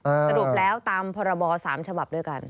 สรุปแล้วตามพรบ๓ฉบับด้วยกัน